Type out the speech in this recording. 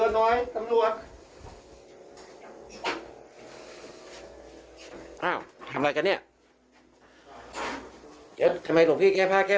ที่ทำเนี่ยทำเนี่ยเพื่อนเตือนนะบอกแล้วก็เป็นพระก็คือ